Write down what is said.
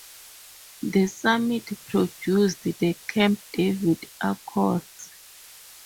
The summit produced the Camp David Accords.